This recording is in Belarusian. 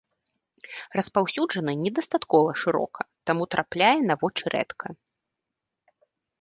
Распаўсюджаны не дастаткова шырока, таму трапляе на вочы рэдка.